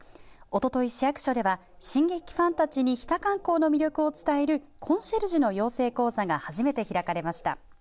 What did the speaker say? おととい市役所では進撃ファンたちに日田観光の魅力を伝えるコンシェルジュの養成講座が初めて開かれました。